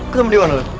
ketemu dimana lo